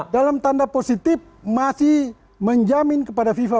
dalam tanda positif masih menjamin kepada fifa